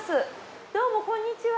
どうもこんにちは。